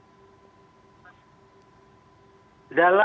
apakah anda setuju